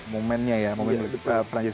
momennya ya momen milik prancis